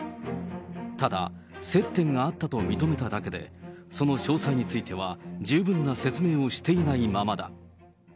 ただ、接点があったと認めただけで、その詳細については十分な説明をしていないままだ。